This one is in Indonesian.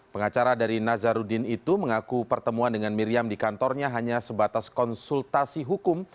pengacara dari nazarudin itu mengaku pertemuan dengan miriam di kantornya hanya sebatas konsultasi hukum